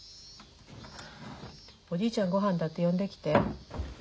おじいちゃんごはんだって呼んできて。